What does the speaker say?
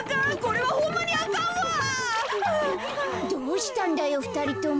どうしたんだよふたりとも。